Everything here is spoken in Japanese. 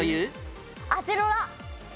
アセロラ。